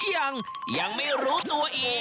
ยังยังไม่รู้ตัวอีก